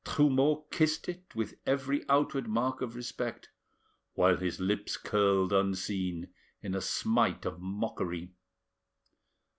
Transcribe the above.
Trumeau kissed it with every outward mark of respect, while his lips curled unseen in a smite of mockery.